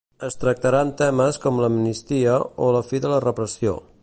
Es tractaran temes com l'amnistia o la fi de la repressió.